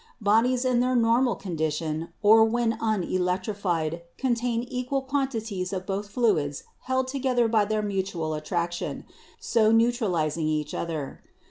Bodies in their normal con dition, or when unelectrified, contain equal quantities of both fluids held together by their mutual attraction, so neutralizing each other.